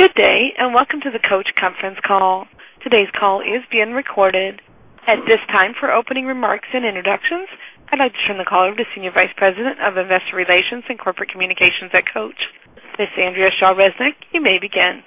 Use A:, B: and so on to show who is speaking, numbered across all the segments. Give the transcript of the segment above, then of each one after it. A: Good day. Welcome to the Coach conference call. Today's call is being recorded. At this time, for opening remarks and introductions, I'd like to turn the call over to Senior Vice President of Investor Relations and Corporate Communications at Coach, Ms. Andrea Shaw Resnick. You may begin.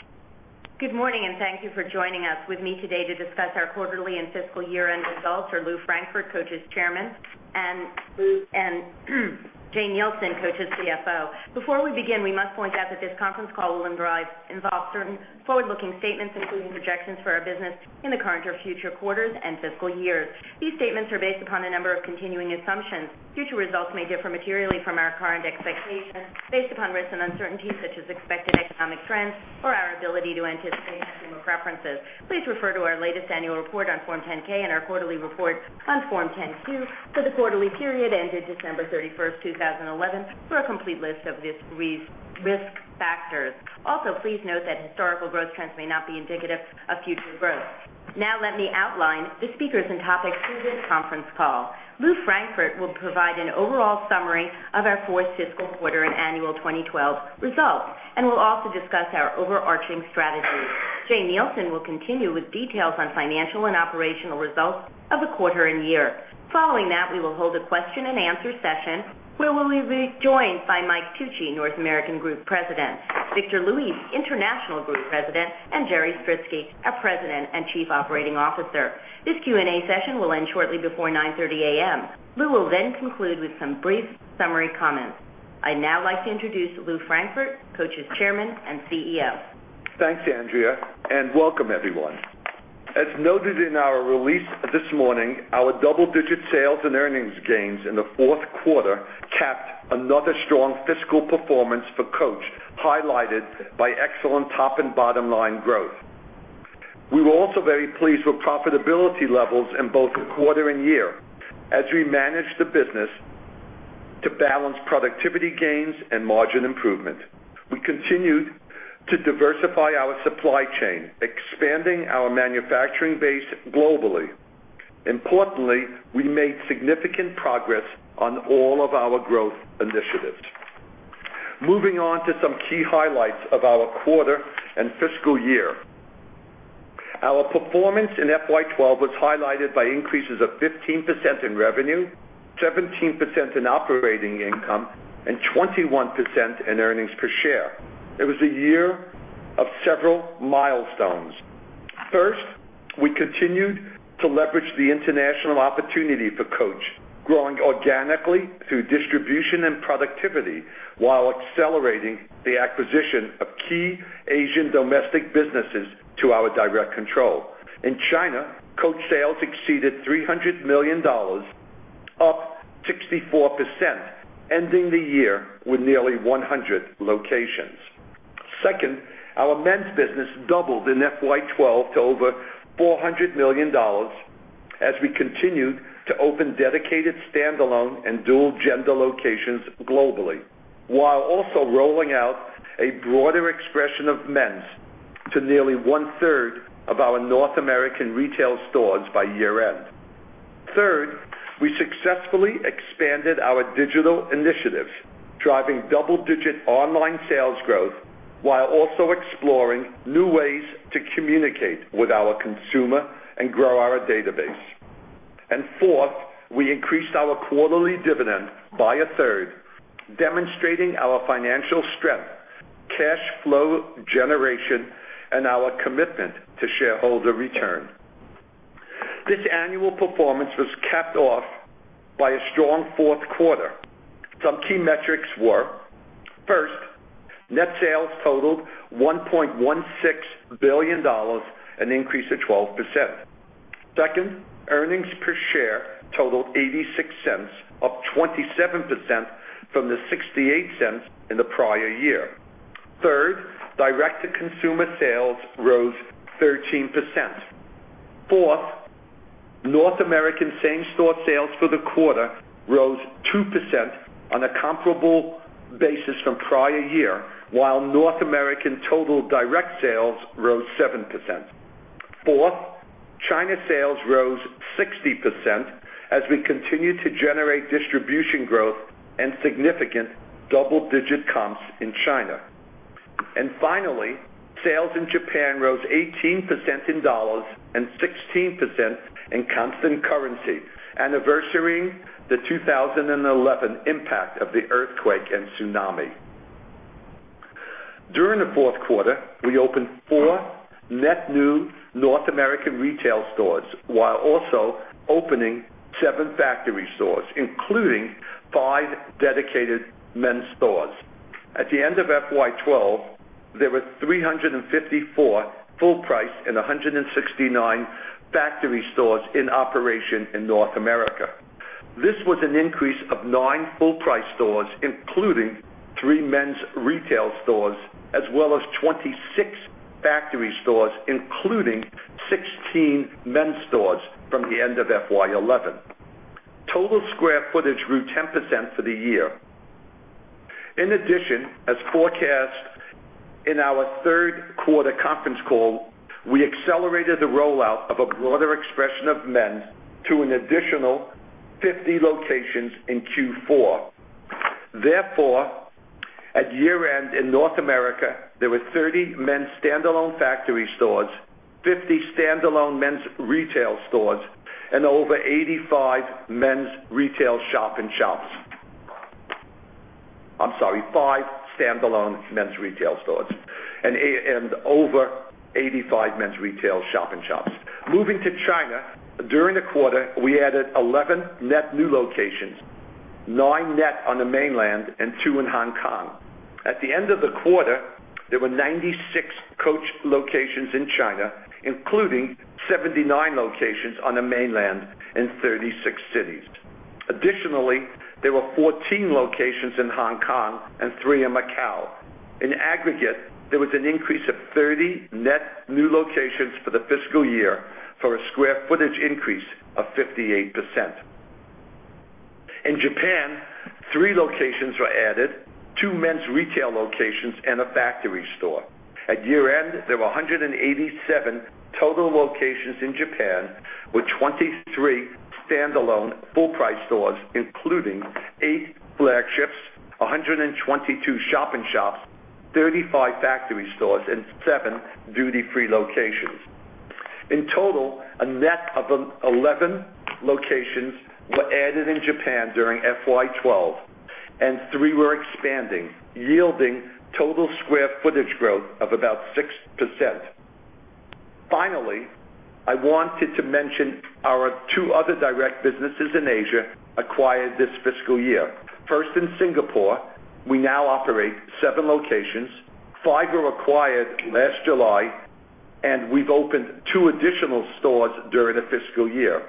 B: Good morning. Thank you for joining us. With me today to discuss our quarterly and fiscal year-end results are Lew Frankfort, Coach's Chairman, and Jane Nielsen, Coach's CFO. Before we begin, we must point out that this conference call will involve certain forward-looking statements, including projections for our business in the current or future quarters and fiscal years. These statements are based upon a number of continuing assumptions. Future results may differ materially from our current expectations based upon risks and uncertainties such as expected economic trends or our ability to anticipate consumer preferences. Please refer to our latest annual report on Form 10-K and our quarterly report on Form 10-Q for the quarterly period ended December 31st, 2011, for a complete list of these risk factors. Please note that historical growth trends may not be indicative of future growth. Let me outline the speakers and topics for this conference call. Lew Frankfort will provide an overall summary of our fourth fiscal quarter and annual 2012 results and will also discuss our overarching strategies. Jane Nielsen will continue with details on financial and operational results of the quarter and year. Following that, we will hold a question and answer session where we will be joined by Mike Tucci, North American Group President, Victor Luis, International Group President, and Jerry Stritzke, our President and Chief Operating Officer. This Q&A session will end shortly before 9:30 A.M. Lew will conclude with some brief summary comments. I'd like to introduce Lew Frankfort, Coach's Chairman and CEO.
C: Thanks, Andrea. Welcome everyone. As noted in our release this morning, our double-digit sales and earnings gains in the fourth quarter capped another strong fiscal performance for Coach, highlighted by excellent top and bottom-line growth. We were very pleased with profitability levels in both the quarter and year as we managed the business to balance productivity gains and margin improvement. We continued to diversify our supply chain, expanding our manufacturing base globally. We made significant progress on all of our growth initiatives. Some key highlights of our quarter and fiscal year. Our performance in FY 2012 was highlighted by increases of 15% in revenue, 17% in operating income, and 21% in earnings per share. It was a year of several milestones. First, we continued to leverage the international opportunity for Coach, growing organically through distribution and productivity, while accelerating the acquisition of key Asian domestic businesses to our direct control. In China, Coach sales exceeded $300 million, up 64%, ending the year with nearly 100 locations. Second, our men's business doubled in FY 2012 to over $400 million as we continued to open dedicated standalone and dual-gender locations globally, while also rolling out a broader expression of men's to nearly one-third of our North American retail stores by year-end. Third, we successfully expanded our digital initiatives, driving double-digit online sales growth while also exploring new ways to communicate with our consumer and grow our database. Fourth, we increased our quarterly dividend by a third, demonstrating our financial strength, cash flow generation, and our commitment to shareholder return. This annual performance was capped off by a strong fourth quarter. Some key metrics were, first, net sales totaled $1.16 billion, an increase of 12%. Second, earnings per share totaled $0.86, up 27% from the $0.68 in the prior year. Third, direct-to-consumer sales rose 13%. Fourth, North American same-store sales for the quarter rose 2% on a comparable basis from prior year, while North American total direct sales rose 7%. Fourth, China sales rose 60% as we continued to generate distribution growth and significant double-digit comps in China. Finally, sales in Japan rose 18% in dollars and 16% in constant currency, anniversarying the 2011 impact of the earthquake and tsunami. During the fourth quarter, we opened four net new North American retail stores, while also opening seven factory stores, including five dedicated men's stores. At the end of FY 2012, there were 354 full-price and 169 factory stores in operation in North America. This was an increase of nine full-price stores, including three men's retail stores, as well as 26 factory stores, including 16 men's stores from the end of FY 2011. Total square footage grew 10% for the year. In addition, as forecast in our third quarter conference call, we accelerated the rollout of a broader expression of men's to an additional 50 locations in Q4. Therefore, at year-end in North America, there were 30 men's standalone factory stores, 50 standalone men's retail stores, and over 85 men's retail shop-in-shops. I'm sorry, five standalone men's retail stores and over 85 men's retail shop-in-shops. Moving to China. During the quarter, we added 11 net new locations, nine net on the mainland and two in Hong Kong. At the end of the quarter, there were 96 Coach locations in China, including 79 locations on the mainland in 36 cities. Additionally, there were 14 locations in Hong Kong and three in Macau. In aggregate, there was an increase of 30 net new locations for the fiscal year for a square footage increase of 58%. In Japan, three locations were added, two men's retail locations, and a factory store. At year-end, there were 187 total locations in Japan, with 23 standalone full-price stores, including eight flagships, 122 shop-in-shops, 35 factory stores, and seven duty-free locations. In total, a net of 11 locations were added in Japan during FY 2012, and three were expanding, yielding total square footage growth of about 6%. Finally, I wanted to mention our two other direct businesses in Asia acquired this fiscal year. First, in Singapore, we now operate seven locations. Figo acquired last July, and we've opened two additional stores during the fiscal year.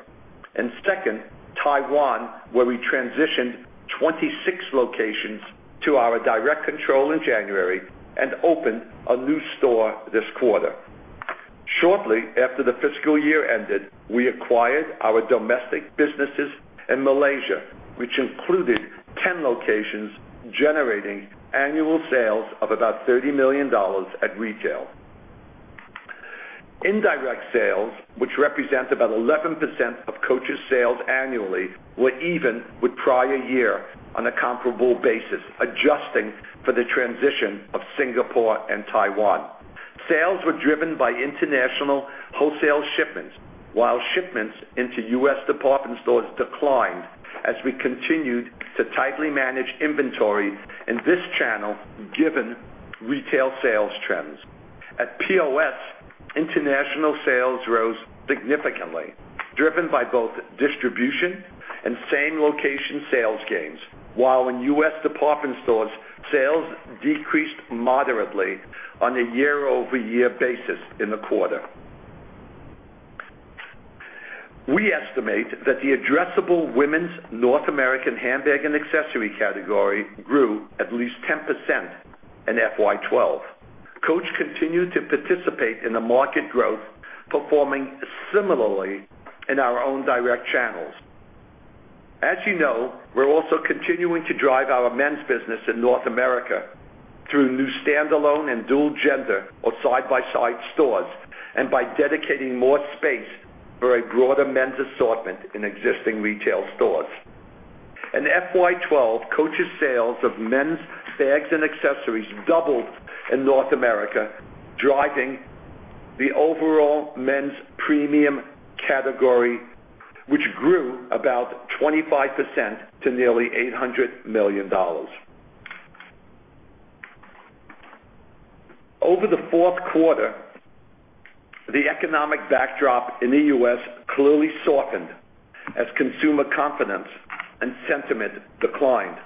C: Second, Taiwan, where we transitioned 26 locations to our direct control in January and opened a new store this quarter. Shortly after the fiscal year ended, we acquired our domestic businesses in Malaysia, which included 10 locations, generating annual sales of about $30 million at retail. Indirect sales, which represent about 11% of Coach's sales annually, were even with prior year on a comparable basis, adjusting for the transition of Singapore and Taiwan. Sales were driven by international wholesale shipments, while shipments into U.S. department stores declined as we continued to tightly manage inventory in this channel given retail sales trends. At POS, international sales rose significantly, driven by both distribution and same-location sales gains, while in U.S. department stores, sales decreased moderately on a year-over-year basis in the quarter. We estimate that the addressable women's North American handbag and accessory category grew at least 10% in FY 2012. Coach continued to participate in the market growth, performing similarly in our own direct channels. As you know, we're also continuing to drive our men's business in North America through new standalone and dual gender or side-by-side stores, and by dedicating more space for a broader men's assortment in existing retail stores. In FY 2012, Coach's sales of men's bags and accessories doubled in North America, driving the overall men's premium category, which grew about 25% to nearly $800 million. Over the fourth quarter, the economic backdrop in the U.S. clearly softened as consumer confidence and sentiment declined.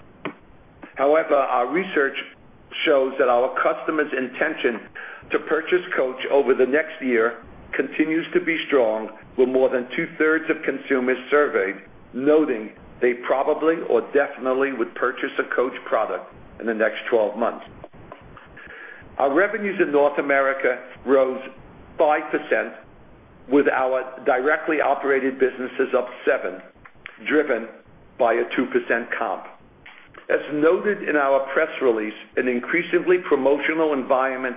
C: However, our research shows that our customers' intention to purchase Coach over the next year continues to be strong, with more than two-thirds of consumers surveyed noting they probably or definitely would purchase a Coach product in the next 12 months. Our revenues in North America rose 5%, with our directly operated businesses up 7%, driven by a 2% comp. As noted in our press release, an increasingly promotional environment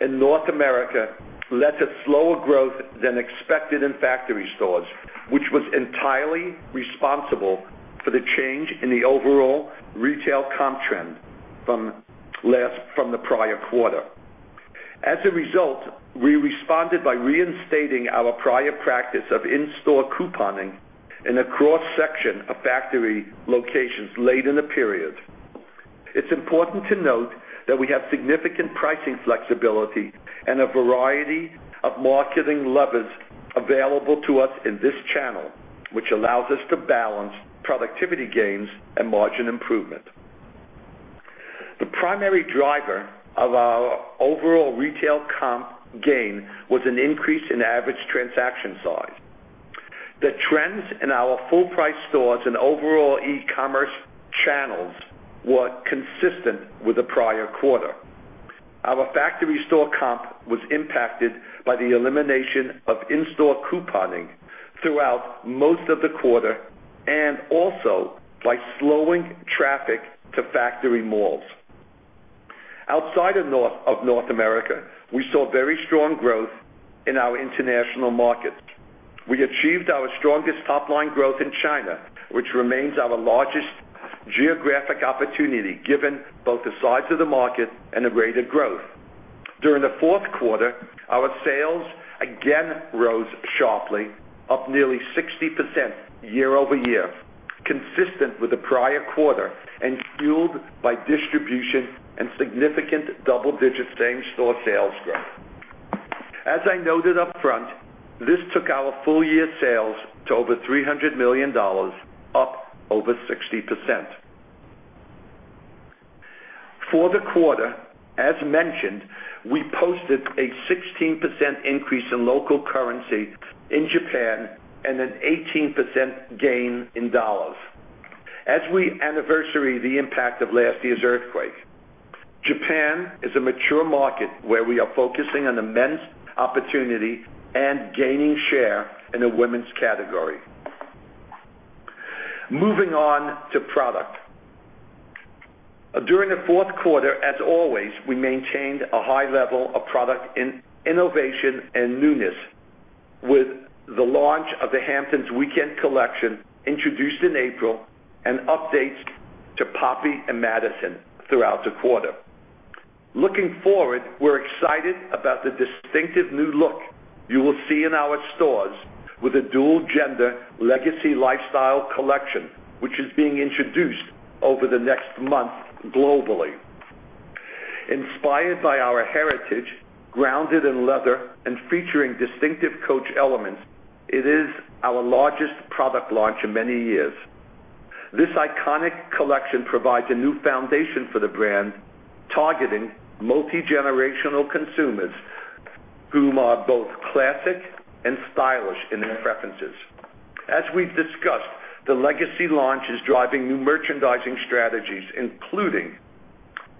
C: in North America led to slower growth than expected in factory stores, which was entirely responsible for the change in the overall retail comp trend from the prior quarter. We responded by reinstating our prior practice of in-store couponing in a cross-section of factory locations late in the period. It's important to note that we have significant pricing flexibility and a variety of marketing levers available to us in this channel, which allows us to balance productivity gains and margin improvement. The primary driver of our overall retail comp gain was an increase in average transaction size. The trends in our full-price stores and overall e-commerce channels were consistent with the prior quarter. Our factory store comp was impacted by the elimination of in-store couponing throughout most of the quarter, and also by slowing traffic to factory malls. Outside of North America, we saw very strong growth in our international markets. We achieved our strongest top-line growth in China, which remains our largest geographic opportunity, given both the size of the market and the rate of growth. During the fourth quarter, our sales again rose sharply, up nearly 60% year-over-year, consistent with the prior quarter and fueled by distribution and significant double-digit same-store sales growth. As I noted upfront, this took our full-year sales to over $300 million, up over 60%. For the quarter, as mentioned, we posted a 16% increase in local currency in Japan and an 18% gain in USD. As we anniversary the impact of last year's earthquake, Japan is a mature market where we are focusing on the men's opportunity and gaining share in the women's category. Moving on to product. During the fourth quarter, as always, we maintained a high level of product innovation and newness with the launch of the Hamptons Weekend collection, introduced in April, and updates to Poppy and Madison throughout the quarter. Looking forward, we're excited about the distinctive new look you will see in our stores with a dual-gender Legacy lifestyle collection, which is being introduced over the next month globally. Inspired by our heritage, grounded in leather, and featuring distinctive Coach elements, it is our largest product launch in many years. This iconic collection provides a new foundation for the brand, targeting multi-generational consumers who are both classic and stylish in their preferences. As we've discussed, the Legacy launch is driving new merchandising strategies, including,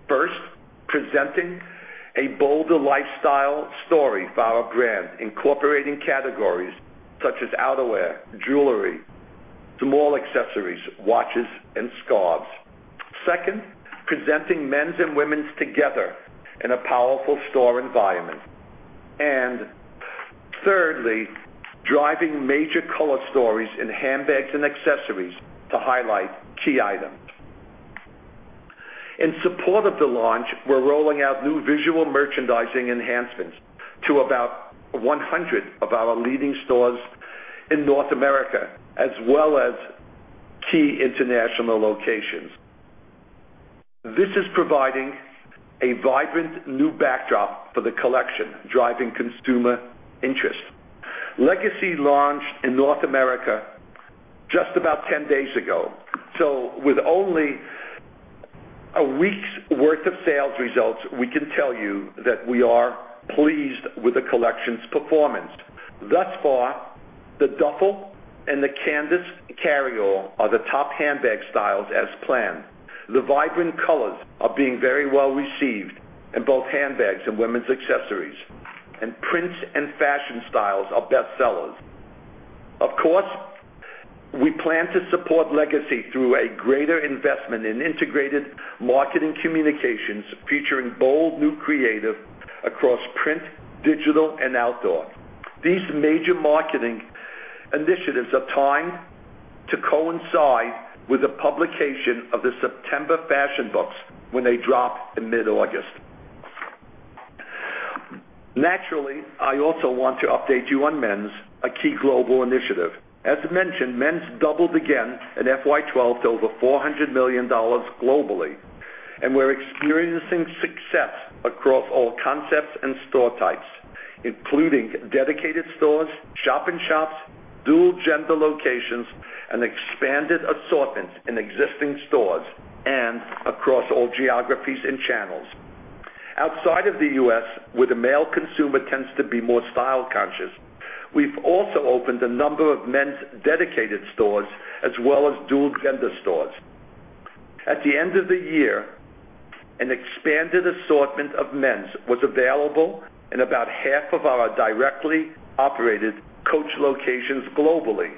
C: first, presenting a bolder lifestyle story for our brand, incorporating categories such as outerwear, jewelry, small accessories, watches, and scarves. Second, presenting men's and women's together in a powerful store environment. Thirdly, driving major color stories in handbags and accessories to highlight key items. In support of the launch, we're rolling out new visual merchandising enhancements to about 100 of our leading stores in North America, as well as key international locations. This is providing a vibrant new backdrop for the collection, driving consumer interest. Legacy launched in North America just about 10 days ago, so with only a week's worth of sales results, we can tell you that we are pleased with the collection's performance. Thus far, the duffel and the canvas carryall are the top handbag styles as planned. The vibrant colors are being very well received in both handbags and women's accessories, and prints and fashion styles are bestsellers. Of course, we plan to support Legacy through a greater investment in integrated marketing communications featuring bold new creative across print, digital, and outdoor. These major marketing initiatives are timed to coincide with the publication of the September fashion books when they drop in mid-August. Naturally, I also want to update you on men's, a key global initiative. As mentioned, men's doubled again in FY 2012 to over $400 million globally, and we're experiencing success across all concepts and store types, including dedicated stores, shop in shops, dual-gender locations, an expanded assortment in existing stores, and across all geographies and channels. Outside of the U.S., where the male consumer tends to be more style-conscious, we've also opened a number of men's dedicated stores as well as dual-gender stores. At the end of the year, an expanded assortment of men's was available in about half of our directly operated Coach locations globally,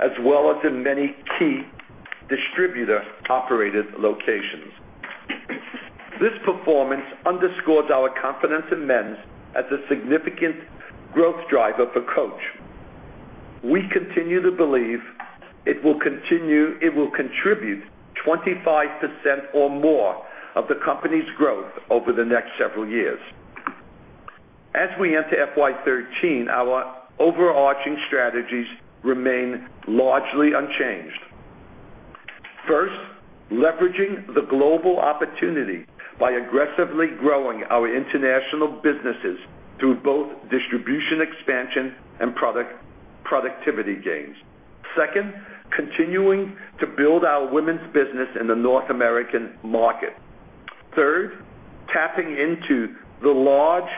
C: as well as in many key distributor-operated locations. This performance underscores our confidence in men's as a significant growth driver for Coach. We continue to believe it will contribute 25% or more of the company's growth over the next several years. As we enter FY 2013, our overarching strategies remain largely unchanged. First, leveraging the global opportunity by aggressively growing our international businesses through both distribution expansion and productivity gains. Second, continuing to build our women's business in the North American market. Third, tapping into the large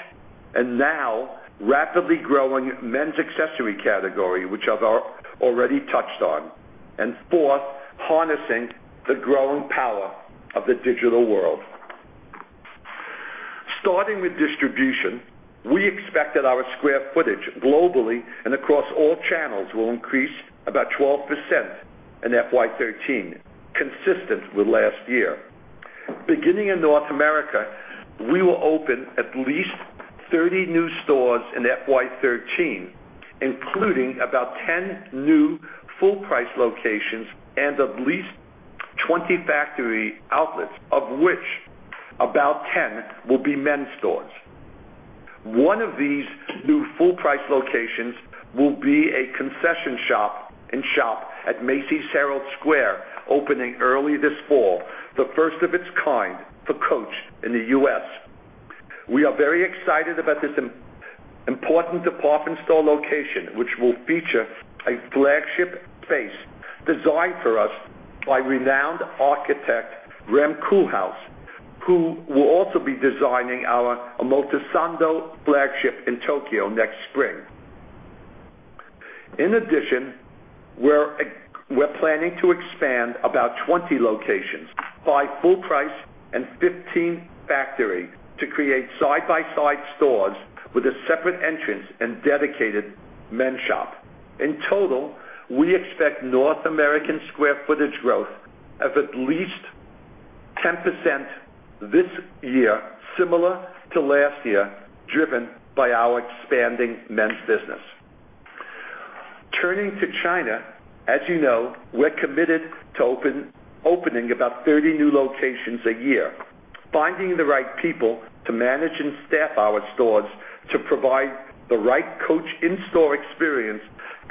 C: and now rapidly growing men's accessory category, which I've already touched on. Fourth, harnessing the growing power of the digital world. Starting with distribution, we expect that our square footage globally and across all channels will increase about 12% in FY 2013, consistent with last year. Beginning in North America, we will open at least 30 new stores in FY 2013, including about 10 new full price locations and at least 20 factory outlets, of which about 10 will be men's stores. One of these new full price locations will be a concession shop and shop at Macy's Herald Square, opening early this fall, the first of its kind for Coach in the U.S. We are very excited about this important department store location, which will feature a flagship space designed for us by renowned architect, Rem Koolhaas, who will also be designing our Omotesando flagship in Tokyo next spring. In addition, we're planning to expand about 20 locations by full price and 15 factory to create side-by-side stores with a separate entrance and dedicated men's shop. In total, we expect North American square footage growth of at least 10% this year, similar to last year, driven by our expanding men's business. Turning to China, as you know, we're committed to opening about 30 new locations a year. Finding the right people to manage and staff our stores to provide the right Coach in-store experience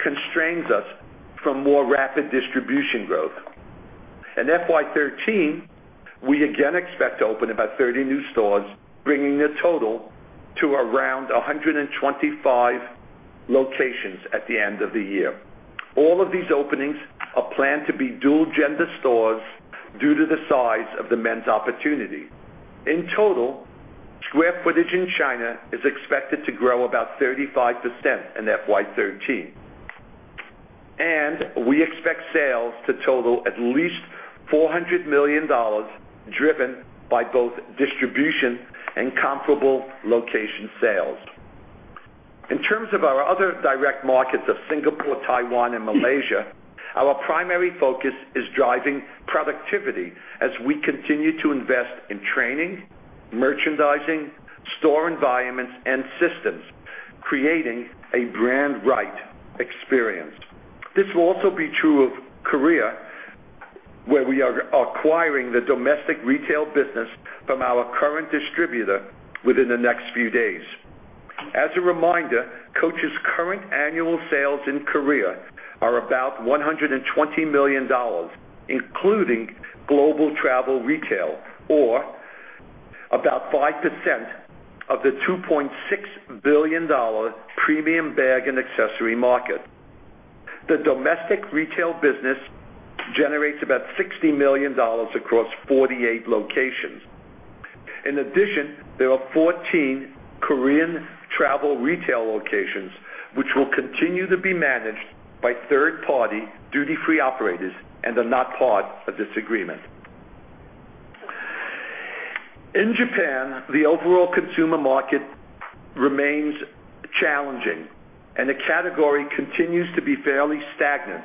C: constrains us from more rapid distribution growth. In FY 2013, we again expect to open about 30 new stores, bringing the total to around 125 locations at the end of the year. All of these openings are planned to be dual gender stores due to the size of the men's opportunity. In total, square footage in China is expected to grow about 35% in FY 2013. We expect sales to total at least $400 million, driven by both distribution and comparable location sales. In terms of our other direct markets of Singapore, Taiwan, and Malaysia, our primary focus is driving productivity as we continue to invest in training, merchandising, store environments, and systems, creating a brand right experience. This will also be true of Korea, where we are acquiring the domestic retail business from our current distributor within the next few days. As a reminder, Coach's current annual sales in Korea are about $120 million, including global travel retail, or about 5% of the $2.6 billion premium bag and accessory market. The domestic retail business generates about $60 million across 48 locations. In addition, there are 14 Korean travel retail locations, which will continue to be managed by third party duty-free operators and are not part of this agreement. In Japan, the overall consumer market remains challenging, and the category continues to be fairly stagnant,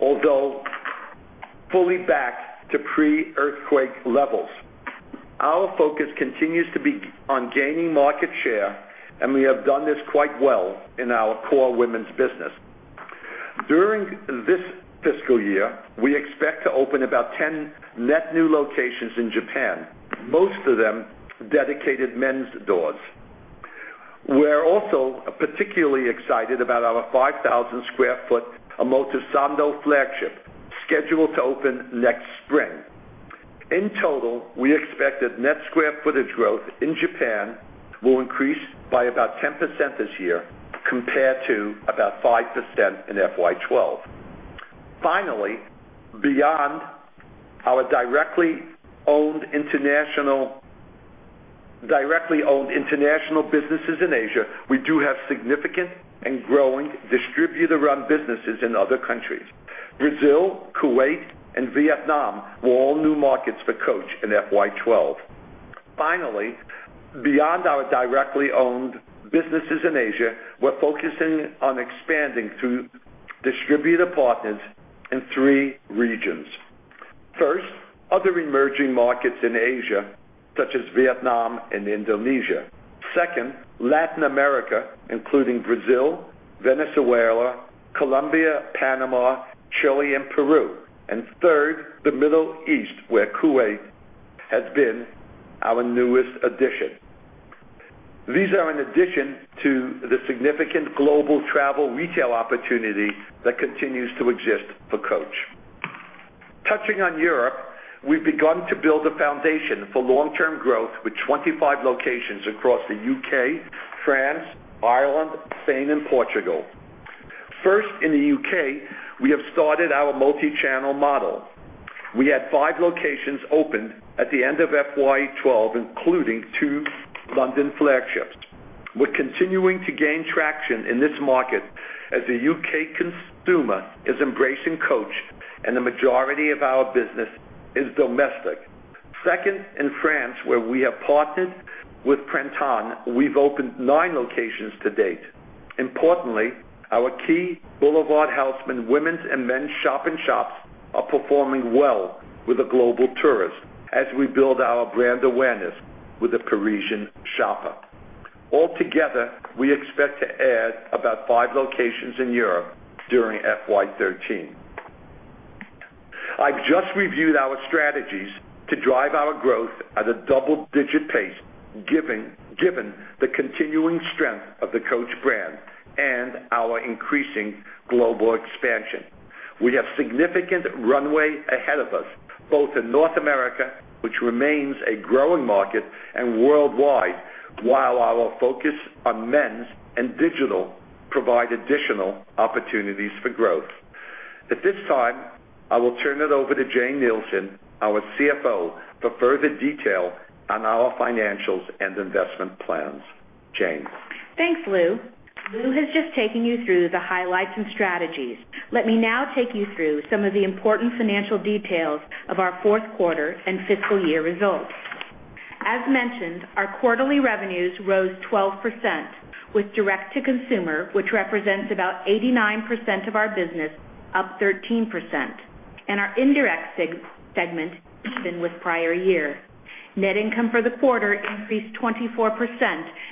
C: although fully back to pre-earthquake levels. Our focus continues to be on gaining market share, and we have done this quite well in our core women's business. During this fiscal year, we expect to open about 10 net new locations in Japan, most of them dedicated men's stores. We're also particularly excited about our 5,000 sq ft Omotesando flagship, scheduled to open next spring. In total, we expect that net square footage growth in Japan will increase by about 10% this year compared to about 5% in FY 2012. Finally, beyond our directly owned international businesses in Asia, we do have significant and growing distributor-run businesses in other countries. Brazil, Kuwait, and Vietnam were all new markets for Coach in FY 2012. Finally, beyond our directly owned businesses in Asia, we're focusing on expanding through distributor partners in three regions. First, other emerging markets in Asia, such as Vietnam and Indonesia. Second, Latin America, including Brazil, Venezuela, Colombia, Panama, Chile, and Peru. Third, the Middle East, where Kuwait has been our newest addition. These are in addition to the significant global travel retail opportunity that continues to exist for Coach. Touching on Europe, we've begun to build a foundation for long-term growth with 25 locations across the U.K., France, Ireland, Spain, and Portugal. First in the U.K., we have started our multi-channel model. We had five locations open at the end of FY 2012, including two London flagships. We're continuing to gain traction in this market as the U.K. consumer is embracing Coach, and the majority of our business is domestic. Second, in France, where we have partnered with Printemps, we've opened nine locations to date. Importantly, our key Boulevard Haussmann women's and men's shop-in-shops are performing well with the global tourist as we build our brand awareness with the Parisian shopper. Altogether, we expect to add about five locations in Europe during FY 2013. I've just reviewed our strategies to drive our growth at a double-digit pace, given the continuing strength of the Coach brand and our increasing global expansion. We have significant runway ahead of us, both in North America, which remains a growing market, and worldwide, while our focus on men's and digital provide additional opportunities for growth. At this time, I will turn it over to Jane Nielsen, our CFO, for further detail on our financials and investment plans. Jane?
D: Thanks, Lew. Lew has just taken you through the highlights and strategies. Let me now take you through some of the important financial details of our fourth quarter and fiscal year results. As mentioned, our quarterly revenues rose 12%, with direct-to-consumer, which represents about 89% of our business, up 13%, and our indirect segment with prior year. Net income for the quarter increased 24%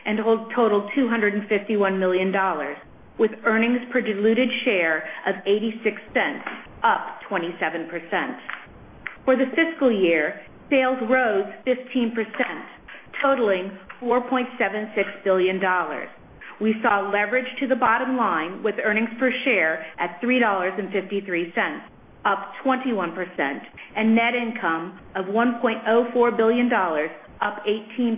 D: and totals $251 million, with earnings per diluted share of $0.86, up 27%. For the fiscal year, sales rose 15%, totaling $4.76 billion. We saw leverage to the bottom line with earnings per share at $3.53, up 21%, and net income of $1.04 billion, up 18%.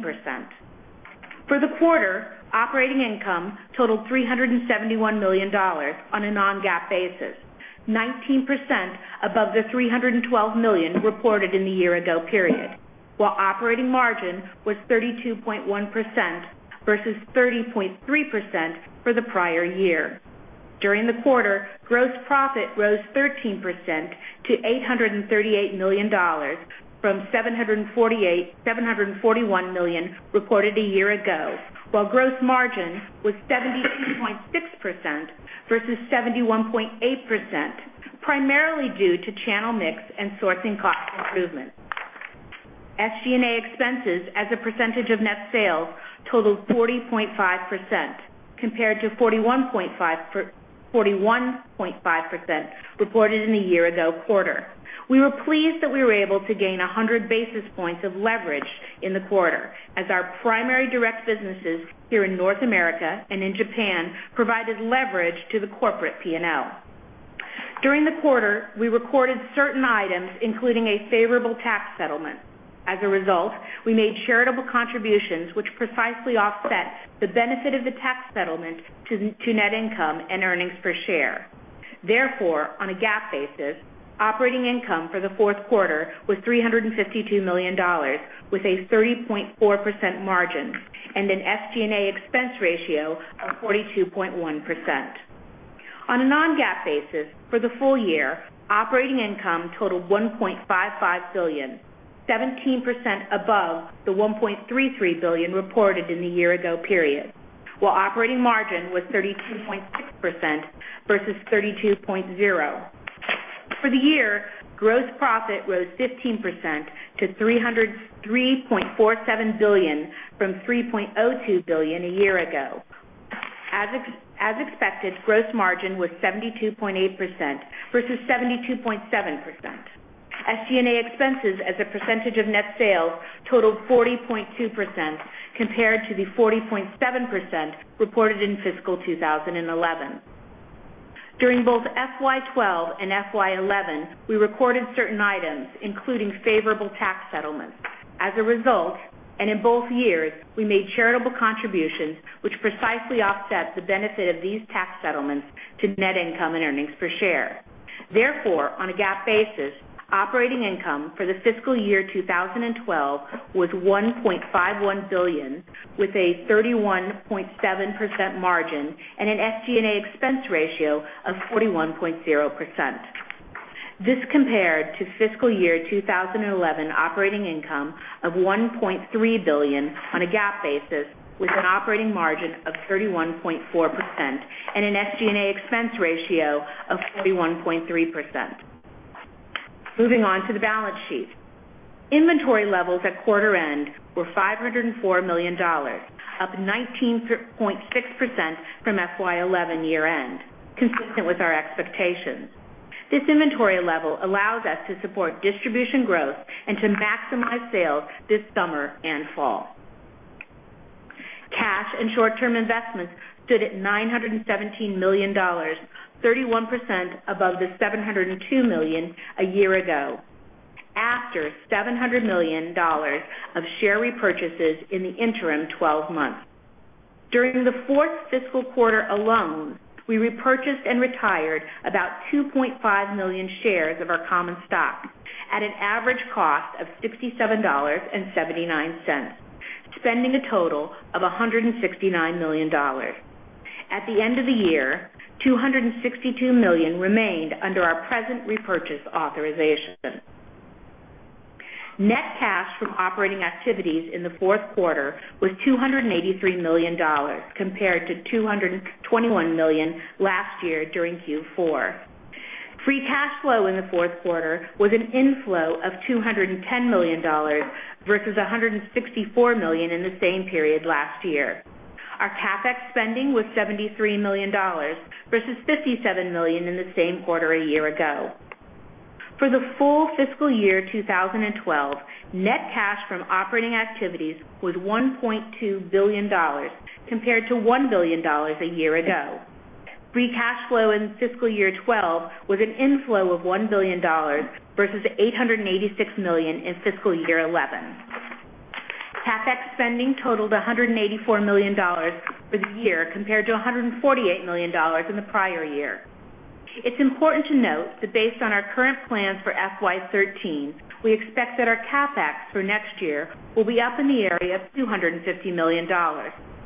D: For the quarter, operating income totaled $371 million on a non-GAAP basis, 19% above the $312 million reported in the year ago period, while operating margin was 32.1% versus 30.3% for the prior year. During the quarter, gross profit rose 13% to $838 million from $741 million reported a year ago, while gross margin was 72.6% versus 71.8%, primarily due to channel mix and sourcing cost improvements. SG&A expenses as a percentage of net sales totaled 40.5% compared to 41.5% reported in the year ago quarter. We were pleased that we were able to gain 100 basis points of leverage in the quarter as our primary direct businesses here in North America and in Japan provided leverage to the corporate P&L. During the quarter, we recorded certain items, including a favorable tax settlement. As a result, we made charitable contributions which precisely offset the benefit of the tax settlement to net income and earnings per share. Therefore, on a GAAP basis, operating income for the fourth quarter was $352 million, with a 30.4% margin and an SG&A expense ratio of 42.1%. On a non-GAAP basis for the full year, operating income totaled $1.55 billion, 17% above the $1.33 billion reported in the year ago period, while operating margin was 32.6% versus 32.0%. For the year, gross profit rose 15% to $3.47 billion from $3.02 billion a year ago. As expected, gross margin was 72.8% versus 72.7%. SG&A expenses as a percentage of net sales totaled 40.2% compared to the 40.7% reported in fiscal 2011. During both FY 2012 and FY 2011, we recorded certain items, including favorable tax settlements. As a result, in both years, we made charitable contributions which precisely offset the benefit of these tax settlements to net income and earnings per share. Therefore, on a GAAP basis, operating income for the fiscal year 2012 was $1.51 billion, with a 31.7% margin and an SG&A expense ratio of 41.0%. This compared to fiscal year 2011 operating income of $1.3 billion on a GAAP basis, with an operating margin of 31.4% and an SG&A expense ratio of 31.3%. Moving on to the balance sheet. Inventory levels at quarter end were $504 million, up 19.6% from FY 2011 year end, consistent with our expectations. This inventory level allows us to support distribution growth and to maximize sales this summer and fall. Cash and short-term investments stood at $917 million, 31% above the $702 million a year ago, after $700 million of share repurchases in the interim 12 months. During the fourth fiscal quarter alone, we repurchased and retired about 2.5 million shares of our common stock at an average cost of $67.79, spending a total of $169 million. At the end of the year, $262 million remained under our present repurchase authorization. Net cash from operating activities in the fourth quarter was $283 million compared to $221 million last year during Q4. Free cash flow in the fourth quarter was an inflow of $210 million versus $164 million in the same period last year. Our CapEx spending was $73 million, versus $57 million in the same quarter a year ago. For the full fiscal year 2012, net cash from operating activities was $1.2 billion compared to $1 billion a year ago. Free cash flow in fiscal year 2012 was an inflow of $1 billion versus $886 million in fiscal year 2011. CapEx spending totaled $184 million for the year compared to $148 million in the prior year. It's important to note that based on our current plans for FY 2013, we expect that our CapEx for next year will be up in the area of $250 million,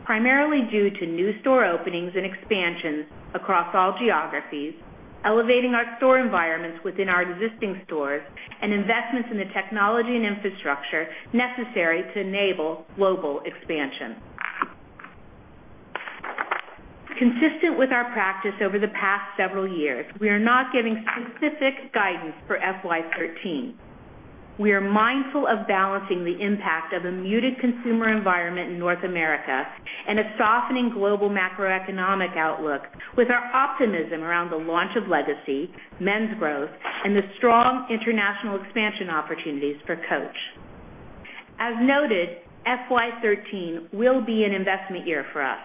D: primarily due to new store openings and expansions across all geographies, elevating our store environments within our existing stores, and investments in the technology and infrastructure necessary to enable global expansion. Consistent with our practice over the past several years, we are not giving specific guidance for FY 2013. We are mindful of balancing the impact of a muted consumer environment in North America and a softening global macroeconomic outlook with our optimism around the launch of Legacy, men's growth, and the strong international expansion opportunities for Coach. As noted, FY 2013 will be an investment year for us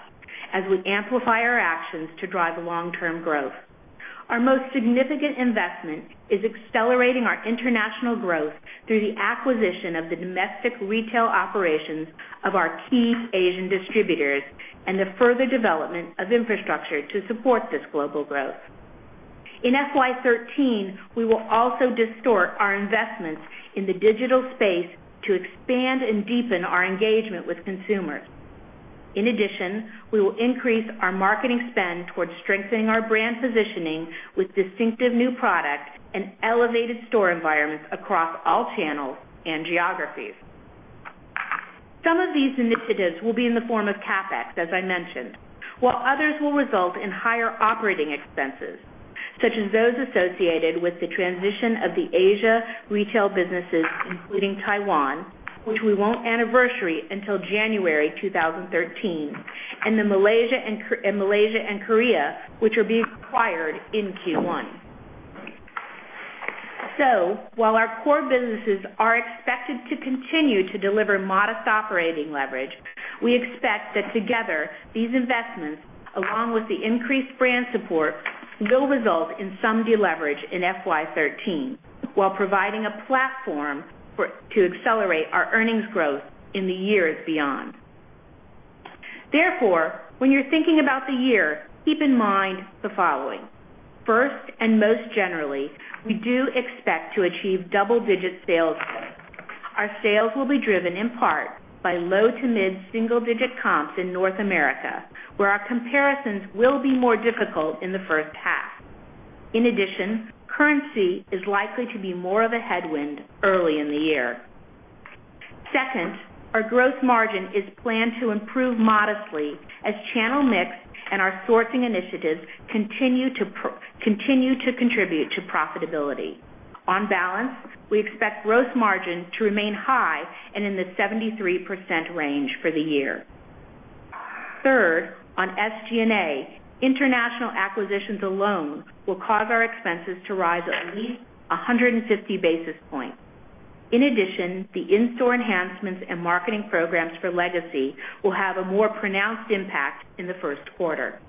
D: as we amplify our actions to drive long-term growth. Our most significant investment is accelerating our international growth through the acquisition of the domestic retail operations of our key Asian distributors and the further development of infrastructure to support this global growth. In FY 2013, we will also distort our investments in the digital space to expand and deepen our engagement with consumers. In addition, we will increase our marketing spend towards strengthening our brand positioning with distinctive new products and elevated store environments across all channels and geographies. Some of these initiatives will be in the form of CapEx, as I mentioned, while others will result in higher operating expenses, such as those associated with the transition of the Asia retail businesses, including Taiwan, which we won't anniversary until January 2013, and Malaysia and Korea, which are being acquired in Q1. While our core businesses are expected to continue to deliver modest operating leverage, we expect that together, these investments, along with the increased brand support, will result in some deleverage in FY 2013 while providing a platform to accelerate our earnings growth in the years beyond. When you're thinking about the year, keep in mind the following. First, most generally, we do expect to achieve double-digit sales growth. Our sales will be driven in part by low to mid single-digit comps in North America, where our comparisons will be more difficult in the first half. In addition, currency is likely to be more of a headwind early in the year. Second, our gross margin is planned to improve modestly as channel mix and our sourcing initiatives continue to contribute to profitability. On balance, we expect gross margin to remain high and in the 73% range for the year. Third, on SG&A, international acquisitions alone will cause our expenses to rise at least 150 basis points. In addition, the in-store enhancements and marketing programs for Legacy will have a more pronounced impact in the first quarter.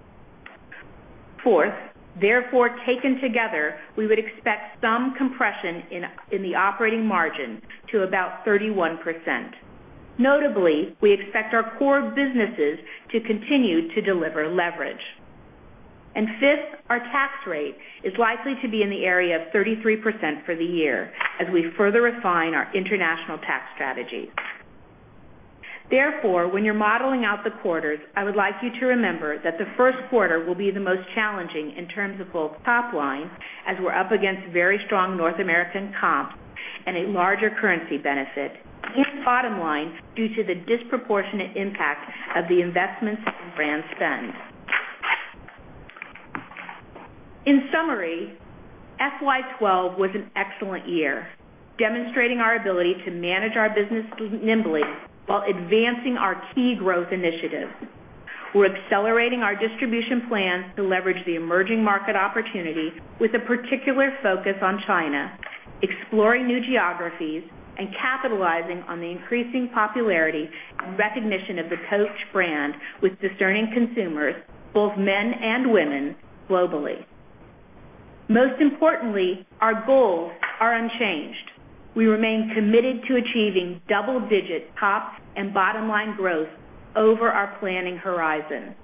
D: Fourth, taken together, we would expect some compression in the operating margin to about 31%. Notably, we expect our core businesses to continue to deliver leverage. Fifth, our tax rate is likely to be in the area of 33% for the year as we further refine our international tax strategy. When you're modeling out the quarters, I would like you to remember that the first quarter will be the most challenging in terms of both top line, as we're up against very strong North American comp and a larger currency benefit, and bottom line due to the disproportionate impact of the investments in brand spend. In summary, FY 2012 was an excellent year, demonstrating our ability to manage our business nimbly while advancing our key growth initiatives. We're accelerating our distribution plans to leverage the emerging market opportunity with a particular focus on China, exploring new geographies, and capitalizing on the increasing popularity and recognition of the Coach brand with discerning consumers, both men and women, globally. Most importantly, our goals are unchanged. We remain committed to achieving double-digit top and bottom-line growth over our planning horizon.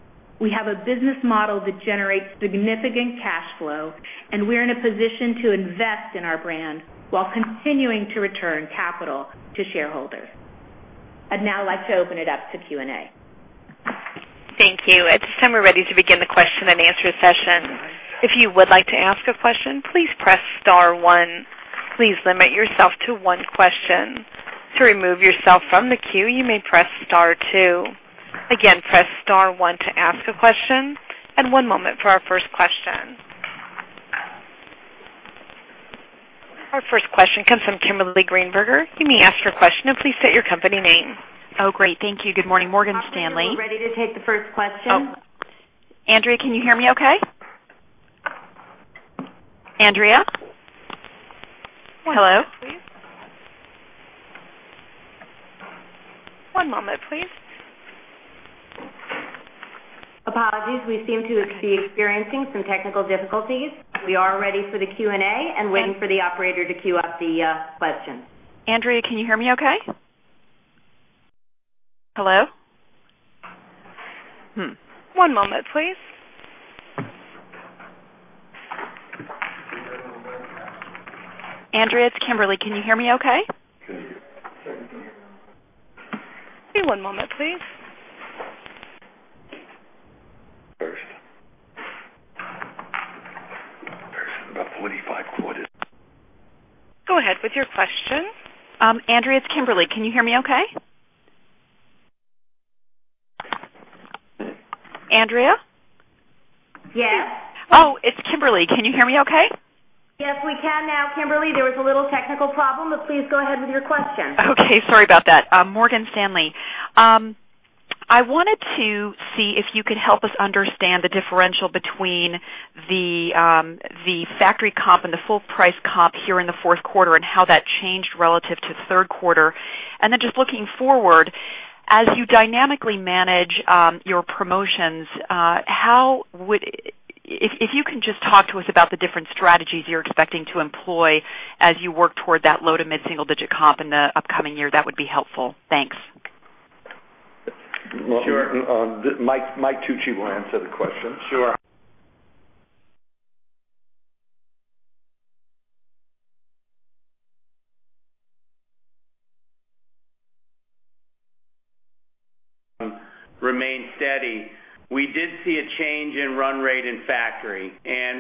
D: We have a business model that generates significant cash flow, and we're in a position to invest in our brand while continuing to return capital to shareholders. I'd now like to open it up to Q&A.
A: Thank you. At this time, we're ready to begin the question and answer session. If you would like to ask a question, please press star one. Please limit yourself to one question. To remove yourself from the queue, you may press star two. Again, press star one to ask a question, and one moment for our first question. Our first question comes from Kimberly Greenberger. You may ask your question and please state your company name.
E: Oh, great. Thank you. Good morning. Morgan Stanley.
D: Operator, we're ready to take the first question.
E: Oh. Andrea, can you hear me okay? Andrea? Hello?
A: One moment, please. Apologies. We seem to be experiencing some technical difficulties. We are ready for the Q&A and waiting for the operator to queue up the question.
E: Andrea, can you hear me okay? Hello?
A: One moment, please.
E: Andrea, it's Kimberly. Can you hear me okay?
A: Give one moment, please. Go ahead with your question.
E: Andrea, it's Kimberly. Can you hear me okay? Andrea?
D: Yes.
E: Oh, it's Kimberly. Can you hear me okay?
D: Yes, we can now, Kimberly. There was a little technical problem, but please go ahead with your question.
E: Okay. Sorry about that. Morgan Stanley. I wanted to see if you could help us understand the differential between the factory comp and the full price comp here in the fourth quarter and how that changed relative to the third quarter. Looking forward, as you dynamically manage your promotions, if you can just talk to us about the different strategies you're expecting to employ as you work toward that low to mid-single-digit comp in the upcoming year, that would be helpful. Thanks.
F: Sure.
C: Michael Tucci will answer the question.
F: Sure. Remain steady. We did see a change in run rate in factory.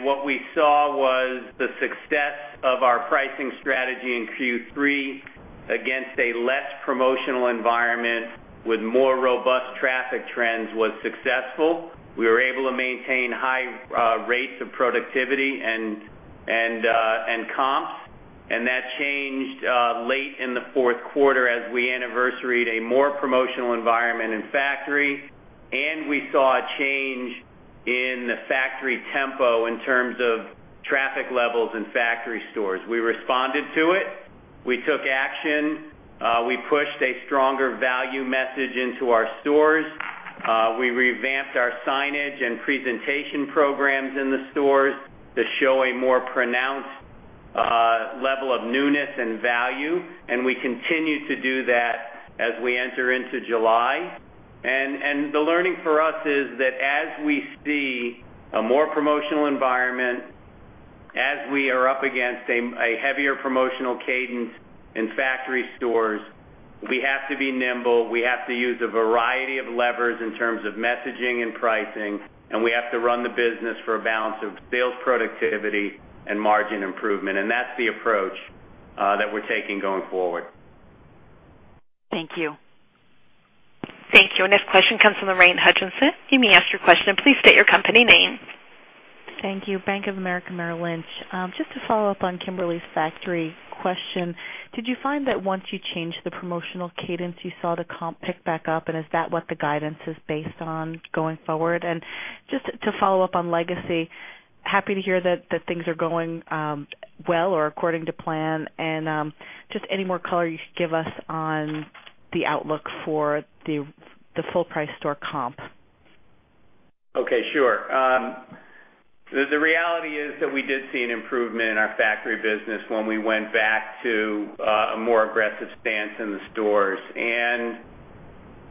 F: What we saw was the success of our pricing strategy in Q3 against a less promotional environment with more robust traffic trends was successful. We were able to maintain high rates of productivity and comps. That changed late in the fourth quarter as we anniversaried a more promotional environment in factory, and we saw a change in the factory tempo in terms of traffic levels in factory stores. We responded to it. We took action. We pushed a stronger value message into our stores. We revamped our signage and presentation programs in the stores to show a more pronounced level of newness and value. We continue to do that as we enter into July. The learning for us is that as we see a more promotional environment, as we are up against a heavier promotional cadence in factory stores, we have to be nimble. We have to use a variety of levers in terms of messaging and pricing, we have to run the business for a balance of sales productivity and margin improvement. That's the approach that we're taking going forward.
E: Thank you.
A: Thank you. Our next question comes from Lorraine Hutchinson. You may ask your question and please state your company name.
G: Thank you. Bank of America, Merrill Lynch. Just to follow up on Kimberly's factory question. Did you find that once you changed the promotional cadence, you saw the comp pick back up, and is that what the guidance is based on going forward? Just to follow up on Legacy, happy to hear that things are going well or according to plan. Just any more color you could give us on the outlook for the full price store comp.
F: Okay, sure. The reality is that we did see an improvement in our factory business when we went back to a more aggressive stance in the stores.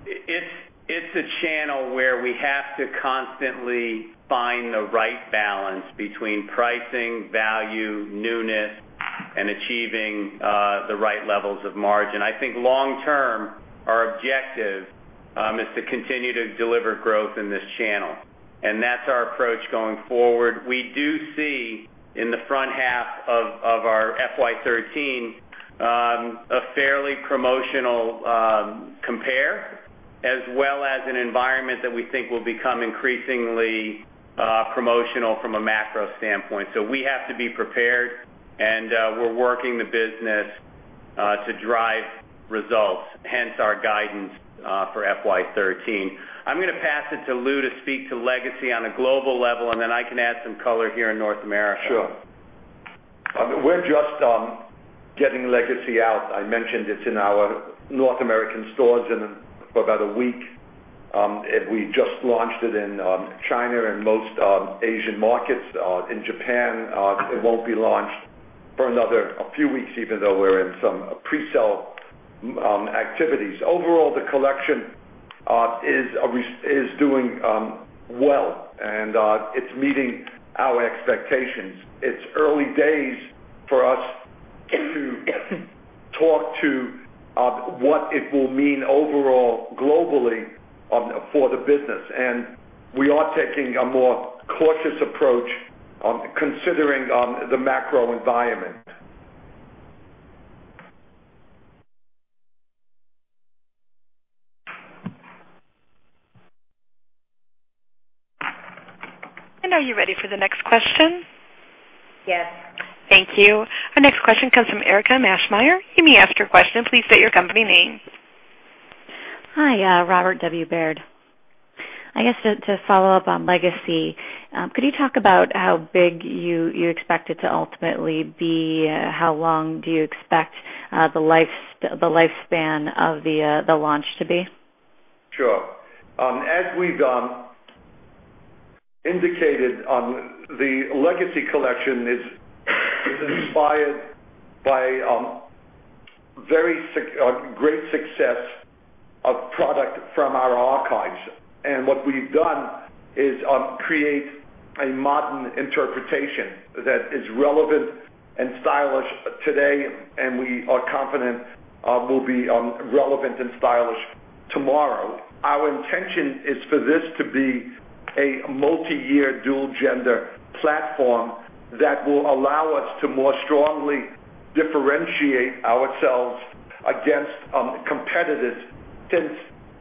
F: It's a channel where we have to constantly find the right balance between pricing, value, newness, and achieving the right levels of margin. I think long-term, our objective is to continue to deliver growth in this channel. That's our approach going forward. We do see in the front half of our FY 2013, a fairly promotional compare, as well as an environment that we think will become increasingly promotional from a macro standpoint. We have to be prepared, and we're working the business to drive results, hence our guidance for FY 2013. I'm going to pass it to Lew to speak to Legacy on a global level, and then I can add some color here in North America.
C: Sure. We're just getting Legacy out. I mentioned it's in our North American stores for about a week. We just launched it in China and most Asian markets. In Japan, it won't be launched for another few weeks, even though we're in some pre-sale activities. Overall, the collection is doing well and it's meeting our expectations. It's early days for us to talk to what it will mean overall globally for the business. We are taking a more cautious approach considering the macro environment.
A: Are you ready for the next question?
B: Yes.
A: Thank you. Our next question comes from Erinn Murphy. You may ask your question, please state your company name.
H: Hi, Robert W. Baird. I guess, to follow up on Legacy, could you talk about how big you expect it to ultimately be? How long do you expect the lifespan of the launch to be?
C: Sure. As we've indicated, the Legacy collection is inspired by very great success of product from our archives. What we've done is create a modern interpretation that is relevant and stylish today, and we are confident will be relevant and stylish tomorrow. Our intention is for this to be a multi-year dual gender platform that will allow us to more strongly differentiate ourselves against competitors. Since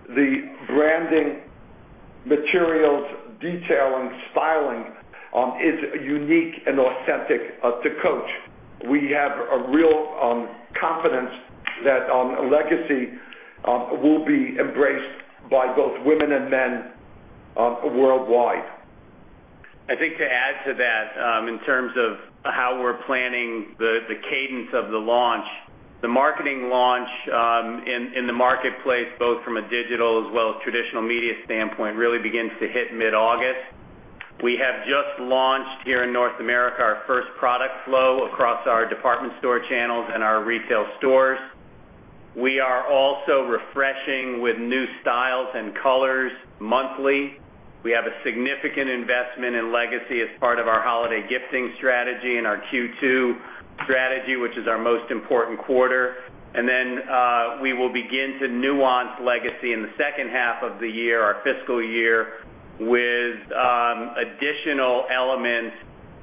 C: the branding materials, detail, and styling is unique and authentic to Coach. We have a real confidence that Legacy will be embraced by both women and men worldwide.
F: I think to add to that, in terms of how we're planning the cadence of the launch. The marketing launch in the marketplace, both from a digital as well as traditional media standpoint, really begins to hit mid-August. We have just launched here in North America, our first product flow across our department store channels and our retail stores. We are also refreshing with new styles and colors monthly. We have a significant investment in Legacy as part of our holiday gifting strategy and our Q2 strategy, which is our most important quarter. Then, we will begin to nuance Legacy in the second half of the year, our fiscal year, with additional elements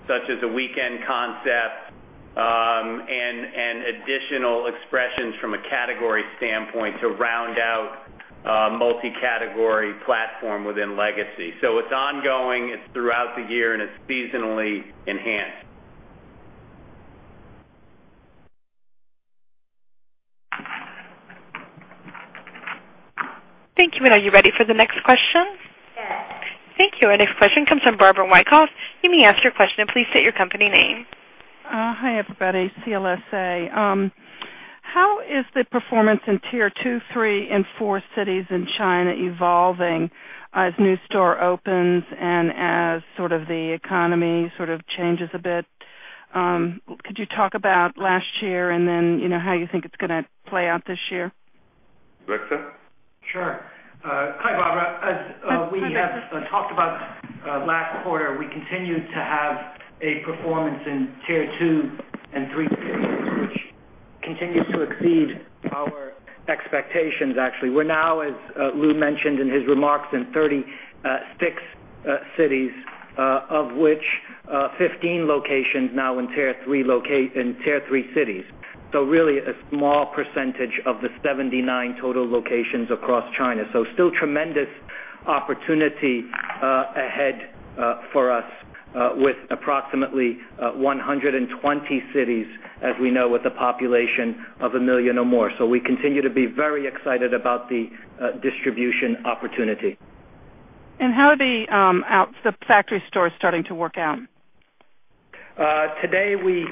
F: such as a weekend concept, and additional expressions from a category standpoint to round out a multi-category platform within Legacy. It's ongoing, it's throughout the year, and it's seasonally enhanced.
A: Thank you. Are you ready for the next question?
B: Yes.
A: Thank you. Our next question comes from Barbara Wyckoff. You may ask your question and please state your company name.
I: Hi, everybody. CLSA. How is the performance in tier 2, 3, and 4 cities in China evolving as new store opens and as sort of the economy changes a bit? Could you talk about last year and then how you think it's going to play out this year?
C: Victor?
J: Sure. Hi, Barbara. As we have talked about last quarter, we continue to have a performance in tier 2 and 3 cities, which continues to exceed our expectations, actually. We're now, as Lew mentioned in his remarks, in 36 cities, of which 15 locations now in tier 3 cities. Really a small percentage of the 79 total locations across China. Still tremendous opportunity ahead for us with approximately 120 cities, as we know, with a population of a million or more. We continue to be very excited about the distribution opportunity.
I: How are the factory stores starting to work out?
J: Today, we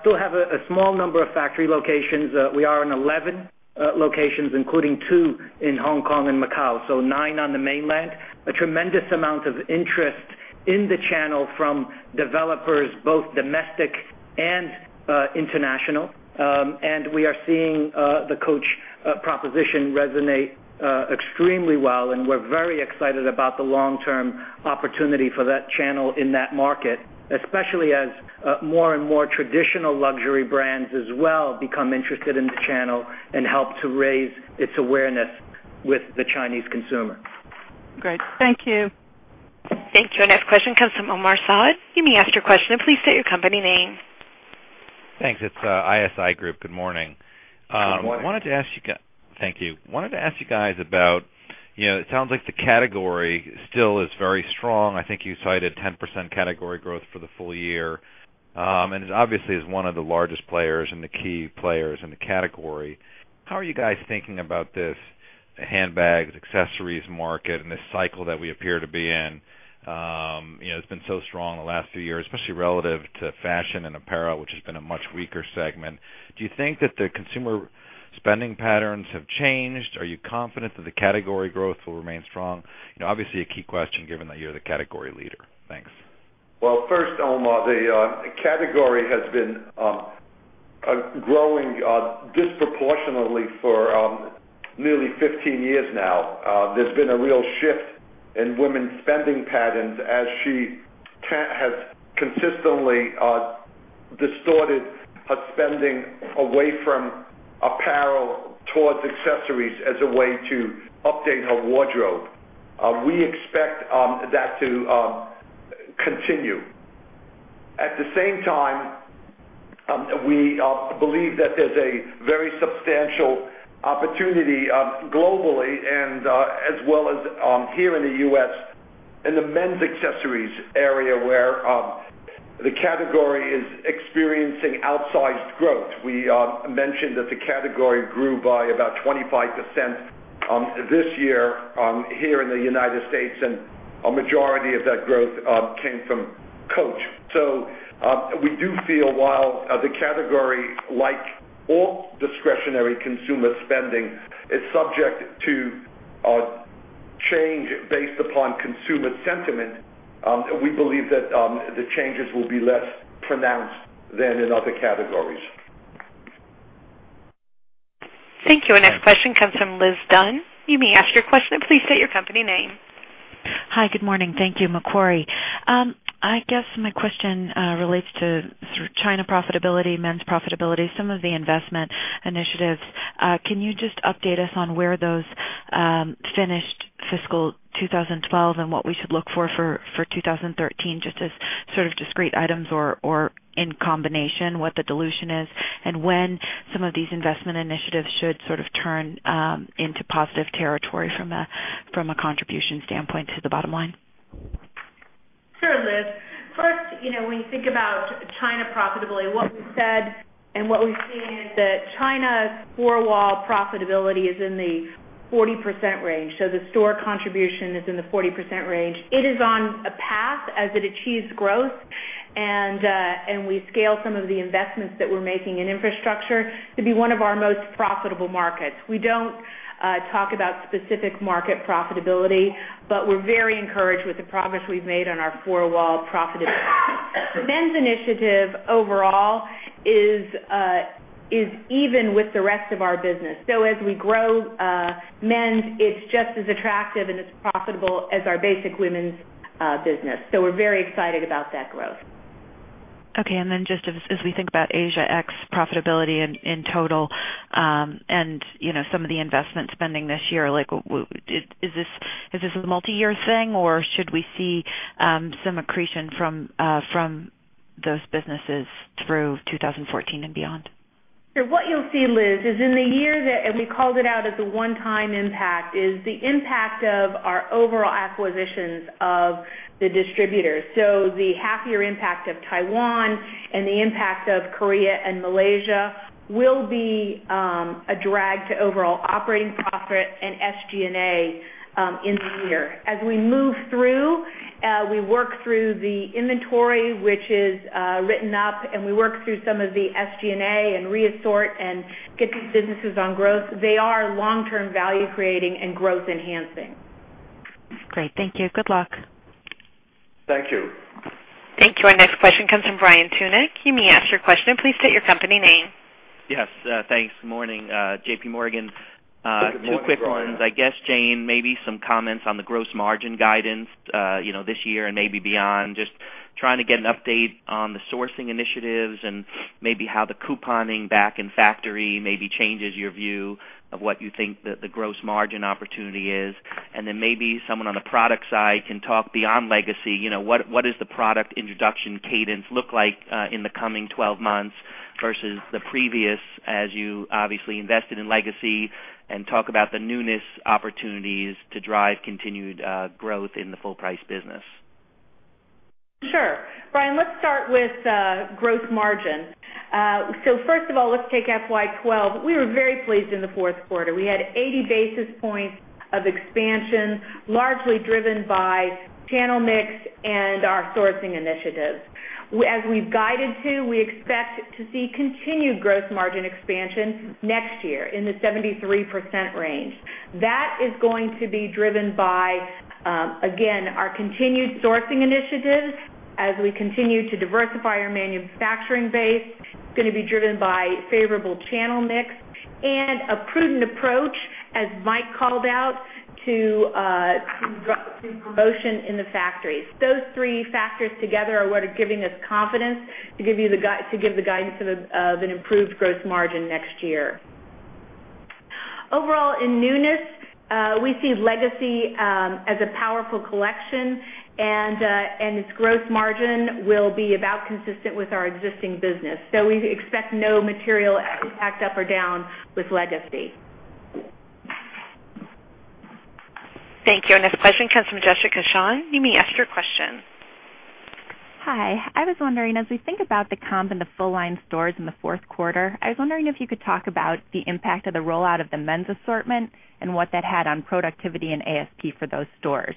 J: still have a small number of factory locations. We are in 11 locations, including two in Hong Kong and Macau, so nine on the mainland. A tremendous amount of interest in the channel from developers, both domestic and international. We are seeing the Coach proposition resonate extremely well, and we're very excited about the long-term opportunity for that channel in that market. Especially as more and more traditional luxury brands as well become interested in the channel and help to raise its awareness with the Chinese consumer.
I: Great. Thank you.
A: Thank you. Our next question comes from Omar Saad. You may ask your question and please state your company name.
K: Thanks. It's ISI Group. Good morning. Good morning. Thank you. Wanted to ask you guys about, it sounds like the category still is very strong. I think you cited 10% category growth for the full year. It obviously is one of the largest players and the key players in the category. How are you guys thinking about this handbags, accessories market and this cycle that we appear to be in? It's been so strong the last few years, especially relative to fashion and apparel, which has been a much weaker segment. Do you think that the consumer spending patterns have changed? Are you confident that the category growth will remain strong? Obviously a key question given that you're the category leader. Thanks. Well, first, Omar, the category has been growing disproportionately for nearly 15 years now.
C: There's been a real shift in women's spending patterns as she has consistently distorted her spending away from apparel towards accessories as a way to update her wardrobe. We expect that to continue. At the same time, we believe that there's a very substantial opportunity globally and as well as here in the U.S. in the men's accessories area, where the category is experiencing outsized growth. We mentioned that the category grew by about 25% this year here in the United States, and a majority of that growth came from Coach. We do feel while the category, like all discretionary consumer spending, is subject to change based upon consumer sentiment, we believe that the changes will be less pronounced than in other categories.
A: Thank you. Our next question comes from Lizabeth Dunn. You may ask your question, and please state your company name.
L: Hi. Good morning. Thank you, Macquarie. I guess my question relates to China profitability, men's profitability, some of the investment initiatives. Can you just update us on where those finished fiscal 2012 and what we should look for 2013, just as discrete items or in combination, what the dilution is, and when some of these investment initiatives should sort of turn into positive territory from a contribution standpoint to the bottom line?
D: Sure, Liz. First, when you think about China profitability, what we've said and what we've seen is that China's four-wall profitability is in the 40% range. The store contribution is in the 40% range. It is on a path, as it achieves growth, and we scale some of the investments that we're making in infrastructure to be one of our most profitable markets. We don't talk about specific market profitability, but we're very encouraged with the progress we've made on our four-wall profitability. The men's initiative overall is even with the rest of our business. As we grow men's, it's just as attractive and as profitable as our basic women's business. We're very excited about that growth.
L: Okay, just as we think about Asia ex profitability in total, and some of the investment spending this year, is this a multi-year thing, or should we see some accretion from those businesses through 2014 and beyond?
D: Sure. What you'll see, Liz, is in the year that, and we called it out as a one-time impact, is the impact of our overall acquisitions of the distributors. The half-year impact of Taiwan and the impact of Korea and Malaysia will be a drag to overall operating profit and SG&A in the year. As we move through, we work through the inventory, which is written up, and we work through some of the SG&A and re-assort and get these businesses on growth. They are long-term value-creating and growth-enhancing.
L: Great. Thank you. Good luck.
C: Thank you.
A: Thank you. Our next question comes from Brian Tunick. You may ask your question and please state your company name.
M: Yes. Thanks. Morning. J.P. Morgan.
C: Good morning, Brian.
M: Two quick ones, I guess, Jane, maybe some comments on the gross margin guidance this year and maybe beyond. Just trying to get an update on the sourcing initiatives and maybe how the couponing back in factory maybe changes your view of what you think the gross margin opportunity is. Then maybe someone on the product side can talk beyond Legacy. What does the product introduction cadence look like in the coming 12 months versus the previous, as you obviously invested in Legacy, and talk about the newness opportunities to drive continued growth in the full price business.
D: Sure. Brian, let's start with gross margin. First of all, let's take FY2012. We were very pleased in the fourth quarter. We had 80 basis points of expansion, largely driven by channel mix and our sourcing initiatives. As we've guided to, we expect to see continued gross margin expansion next year in the 73% range. That is going to be driven by, again, our continued sourcing initiatives as we continue to diversify our manufacturing base. It's going to be driven by favorable channel mix and a prudent approach, as Mike called out, to promotion in the factories. Those three factors together are what are giving us confidence to give the guidance of an improved gross margin next year. Overall, in newness, we see Legacy as a powerful collection, and its gross margin will be about consistent with our existing business. We expect no material impact up or down with Legacy.
A: Thank you. Our next question comes from Jessica Schoen. You may ask your question.
N: Hi. I was wondering, as we think about the comp and the full line stores in the fourth quarter, I was wondering if you could talk about the impact of the rollout of the men's assortment and what that had on productivity and ASP for those stores.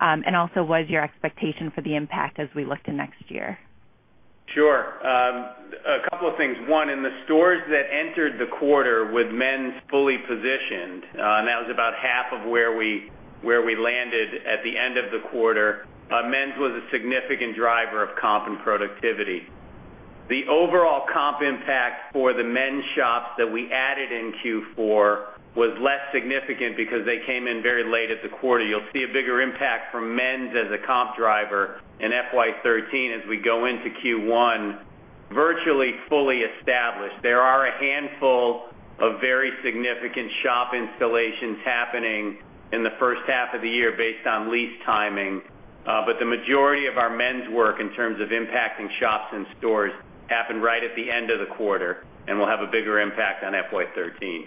N: What is your expectation for the impact as we look to next year?
C: Sure. A couple of things. One, in the Stores that entered the quarter with men's fully positioned, and that was about half of where we landed at the end of the quarter. Men's was a significant driver of comp and productivity. The overall comp impact for the men's shops that we added in Q4 was less significant because they came in very late at the quarter. You'll see a bigger impact from men's as a comp driver in FY 2013 as we go into Q1, virtually fully established. There are a handful of very significant shop installations happening in the first half of the year based on lease timing. The majority of our men's work in terms of impacting shops and stores happened right at the end of the quarter and will have a bigger impact on FY 2013.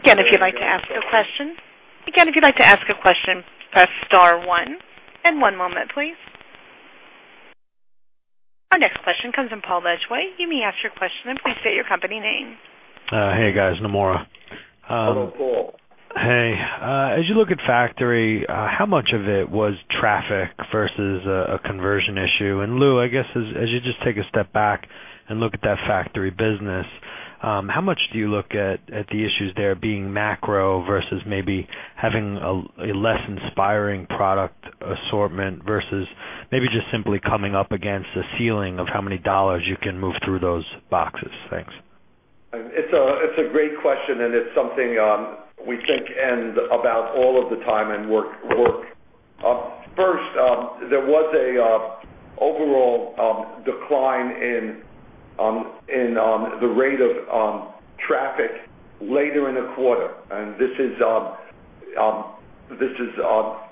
A: Again, if you'd like to ask a question, press star one. One moment please. Our next question comes from Paul Lejuez. You may ask your question and please state your company name.
O: Hey, guys, Nomura.
C: Hello, Paul.
O: Hey. As you look at factory, how much of it was traffic versus a conversion issue? Lou, I guess as you just take a step back and look at that factory business, how much do you look at the issues there being macro versus maybe having a less inspiring product assortment versus maybe just simply coming up against the ceiling of how many dollars you can move through those boxes? Thanks.
C: It's a great question, and it's something we think and about all of the time and work. First, there was a overall decline in the rate of traffic later in the quarter. This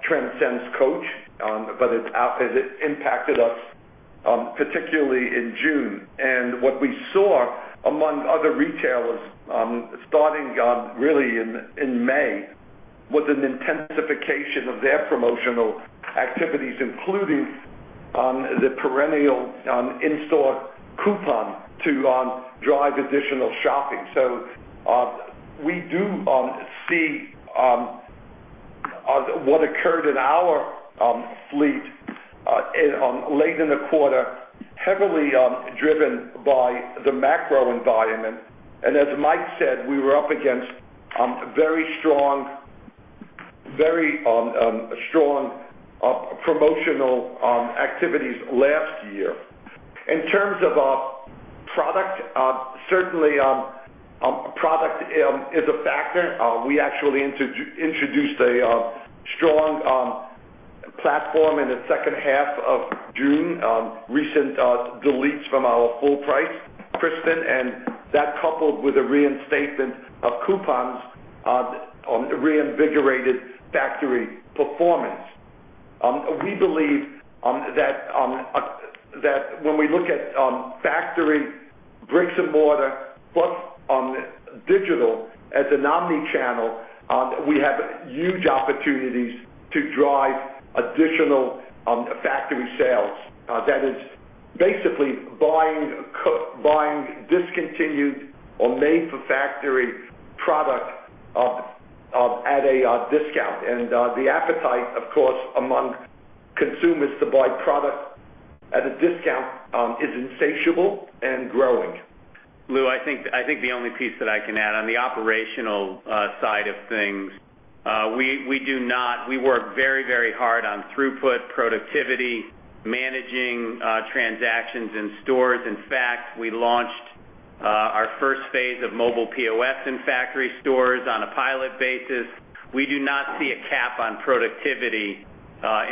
C: transcends Coach, but it impacted us, particularly in June. What we saw among other retailers, starting really in May, was an intensification of their promotional activities, including the perennial in-store coupon to drive additional shopping. We do see what occurred in our fleet late in the quarter, heavily driven by the macro environment. As Mike said, we were up against very strong promotional activities last year. In terms of product, certainly product is a factor. We actually introduced a strong platform in the second half of June. Recent deletes from our full price, Kristin, and that coupled with a reinstatement of coupons, reinvigorated factory performance. We believe that when we look at factory bricks and mortar plus digital as an omni-channel, we have huge opportunities to drive additional factory sales. That is basically buying discontinued or made-for-factory product at a discount. The appetite, of course, among consumers to buy product at a discount is insatiable and growing.
F: Lew, I think the only piece that I can add on the operational side of things, we work very hard on throughput, productivity, managing transactions in stores. In fact, we launched our first phase of mobile POS in factory stores on a pilot basis. We do not see a cap on productivity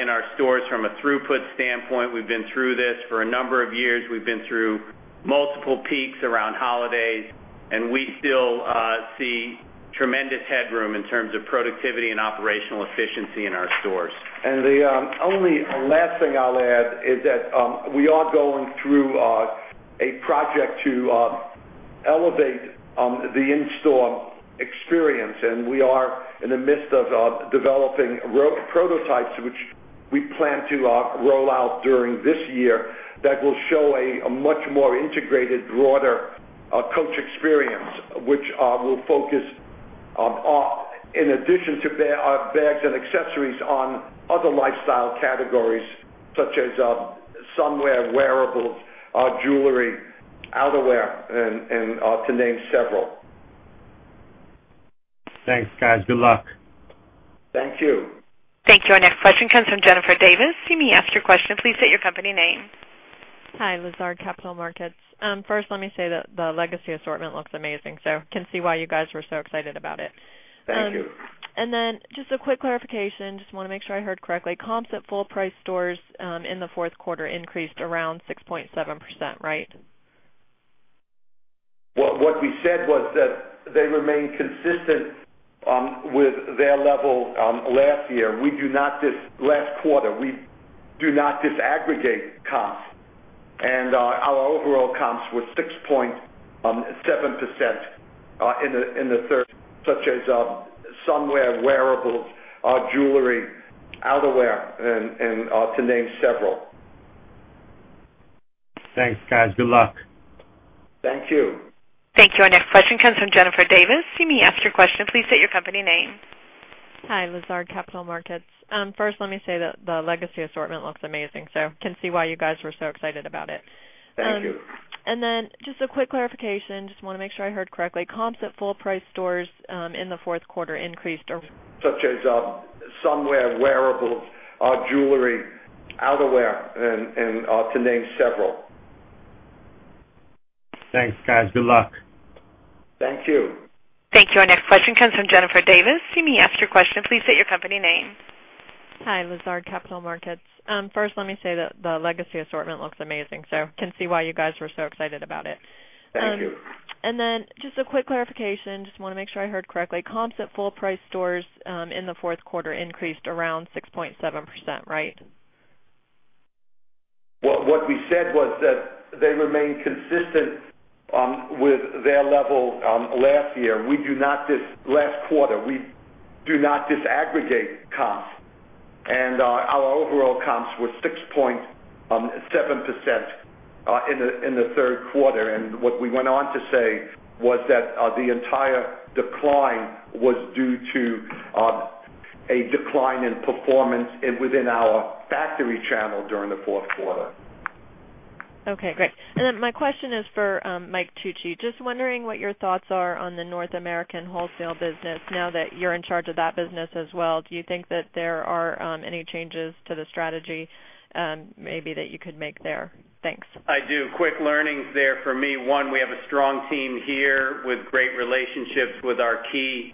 F: in our stores from a throughput standpoint. We've been through this for a number of years. We've been through multiple peaks around holidays, and we still see tremendous headroom in terms of productivity and operational efficiency in our stores.
C: The only last thing I'll add is that we are going through a project to elevate the in-store experience, and we are in the midst of developing prototypes, which we plan to roll out during this year that will show a much more integrated, broader Coach experience, which will focus on, in addition to bags and accessories on other lifestyle categories such as sunwear wearables, jewelry, outerwear, and to name several.
O: Thanks, guys. Good luck.
C: Thank you.
A: Thank you. Our next question comes from Jennifer Davis. You may ask your question. Please state your company name.
P: Hi, Lazard Capital Markets. First, let me say that the Legacy assortment looks amazing, so can see why you guys were so excited about it.
C: Thank you.
P: Just a quick clarification. Just want to make sure I heard correctly. Comps at full price stores in the fourth quarter increased around 6.7%, right?
C: What we said was that they remain consistent with their level last year. Last quarter. We do not disaggregate comps, and our overall comps were 6.7% in the third, such as some wearables, jewelry, outerwear, and to name several. What we said was that they remain consistent with their level last year. We do not last quarter. We do not disaggregate comps. Our overall comps were 6.7% in the third quarter. What we went on to say was that the entire decline was due to a decline in performance within our factory channel during the fourth quarter.
P: Okay, great. My question is for Michael Tucci. Just wondering what your thoughts are on the North American wholesale business now that you're in charge of that business as well. Do you think that there are any changes to the strategy maybe that you could make there? Thanks.
F: I do. Quick learnings there for me. One, we have a strong team here with great relationships with our key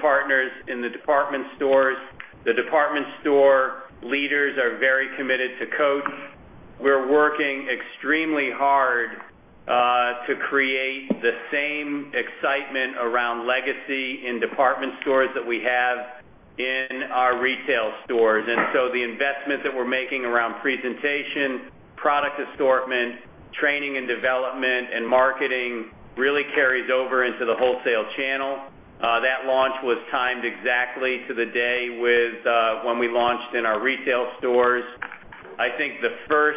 F: partners in the department stores. The department store leaders are very committed to Coach. We're working extremely hard to create the same excitement around Legacy in department stores that we have in our retail stores. The investment that we're making around presentation, product assortment, training and development, and marketing really carries over into the wholesale channel. That launch was timed exactly to the day with when we launched in our retail stores. I think the first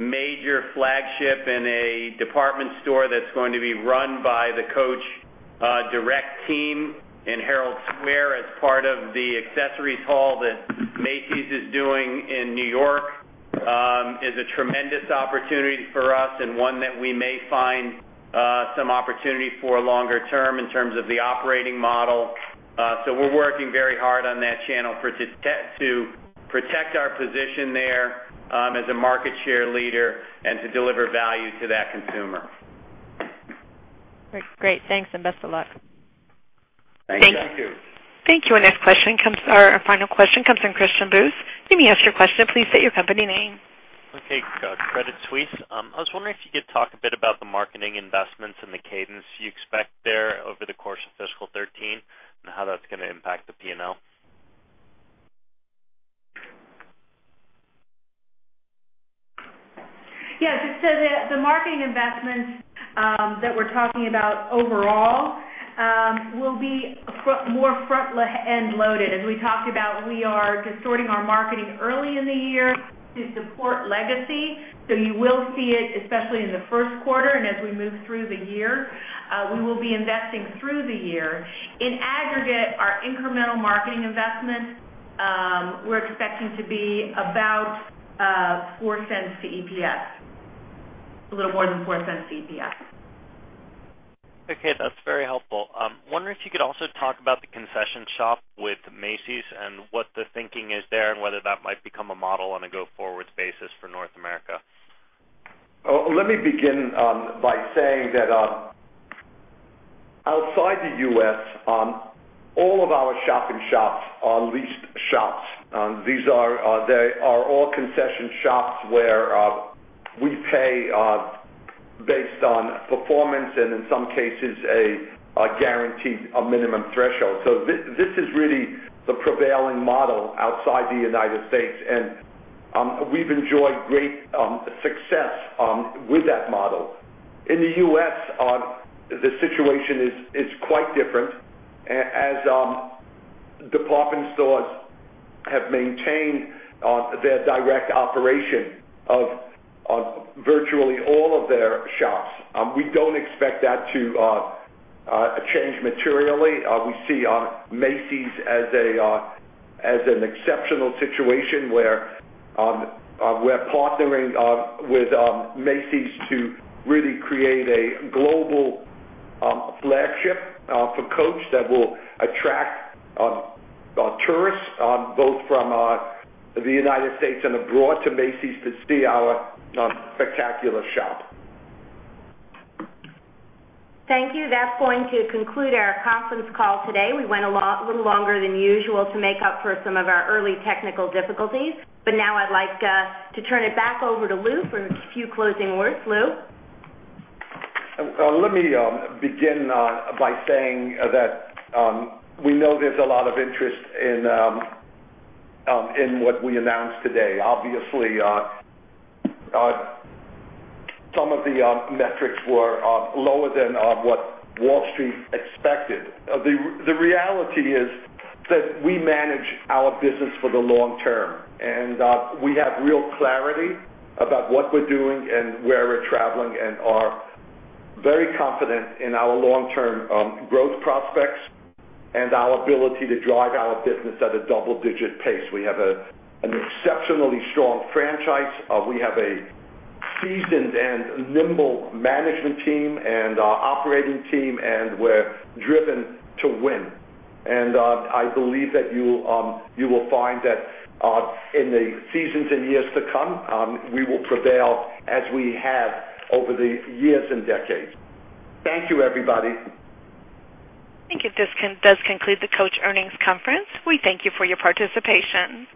F: major flagship in a department store that's going to be run by the Coach direct team in Herald Square as part of the accessories hall that Macy's is doing in New York is a tremendous opportunity for us and one that we may find some opportunity for longer term in terms of the operating model. We're working very hard on that channel to protect our position there as a market share leader and to deliver value to that consumer.
P: Great. Thanks, and best of luck.
F: Thanks.
C: Thank you.
A: Thank you. Our final question comes from Christian Buss. To may ask your question, please state your company name.
Q: Okay. Credit Suisse. I was wondering if you could talk a bit about the marketing investments and the cadence you expect there over the course of FY 2013 and how that's going to impact the P&L.
D: Yes. The marketing investments that we're talking about overall will be more front-end loaded. As we talked about, we are distorting our marketing early in the year to support Legacy. You will see it especially in the first quarter and as we move through the year. We will be investing through the year. In aggregate, our incremental marketing investments we're expecting to be about $0.04 to EPS, a little more than $0.04 to EPS.
Q: Okay. That's very helpful. Wondering if you could also talk about the concession shop with Macy's and what the thinking is there and whether that might become a model on a go-forward basis for North America.
C: Let me begin by saying that outside the U.S., all of our shop in shops are leased shops. They are all concession shops where we pay based on performance and in some cases, a guaranteed minimum threshold. This is really the prevailing model outside the United States, and we've enjoyed great success with that model. In the U.S., the situation is quite different as department stores have maintained their direct operation of virtually all of their shops. We don't expect that to change materially. We see Macy's as an exceptional situation where we're partnering with Macy's to really create a global flagship for Coach that will attract tourists both from the United States and abroad to Macy's to see our spectacular shop.
B: Thank you. That's going to conclude our conference call today. We went a little longer than usual to make up for some of our early technical difficulties. Now I'd like to turn it back over to Lew for a few closing words. Lew?
C: Let me begin by saying that we know there's a lot of interest in what we announced today. Obviously, some of the metrics were lower than what Wall Street expected. The reality is that we manage our business for the long term, and we have real clarity about what we're doing and where we're traveling and are very confident in our long-term growth prospects and our ability to drive our business at a double-digit pace. We have an exceptionally strong franchise. We have a seasoned and nimble management team and operating team, and we're driven to win. I believe that you will find that in the seasons and years to come, we will prevail as we have over the years and decades. Thank you, everybody.
A: Thank you. This does conclude the Coach earnings conference. We thank you for your participation.